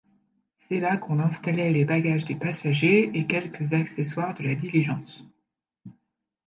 C’est là qu’on installait les bagages des passagers et quelques accessoires de la diligence.